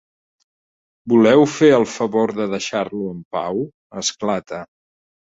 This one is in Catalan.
Voleu fer el favor de deixar-lo en pau? —esclata.